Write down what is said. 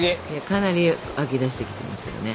かなり湧き出してきてますけどね。